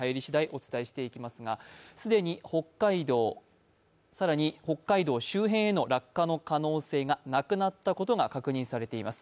お伝えしていきますが既に北海道、更に北海道周辺への落下の可能性がなくなったことが確認されています。